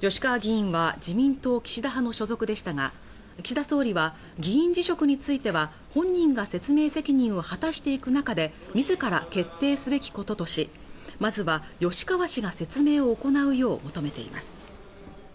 吉川議員は自民党・岸田派の所属でしたが岸田総理は議員辞職については本人が説明責任を果たしていく中で自ら決定すべきこととしまずは吉川氏が説明を行うよう求めています